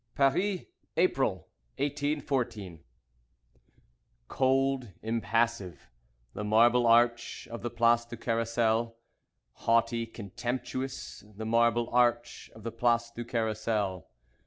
III Paris, April, 1814 Cold, impassive, the marble arch of the Place du Carrousel. Haughty, contemptuous, the marble arch of the Place du Carrousel.